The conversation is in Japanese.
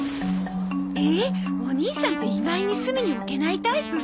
えお義兄さんって意外に隅に置けないタイプ？